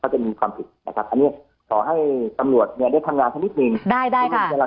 ซึ่งเราไม่สามารถรายใจเค้าได้ว่าเป็นความผิดไนะ